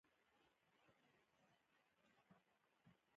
• د واورې ساړه د بدن لپاره ازموینه ده.